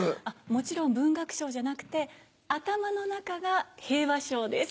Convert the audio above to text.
もちろん文学賞じゃなくて頭の中が平和賞です。